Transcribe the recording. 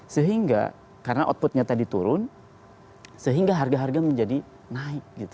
sehingga karena outputnya tadi turun sehingga harga harga menjadi naik